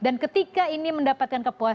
dan ketika ini mendapatkan kepuasan